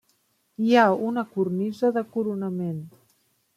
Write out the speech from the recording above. Hi ha una cornisa de coronament.